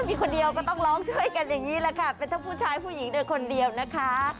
มีคนเดียวก็ต้องร้องช่วยกันอย่างนี้แหละค่ะเป็นทั้งผู้ชายผู้หญิงด้วยคนเดียวนะคะ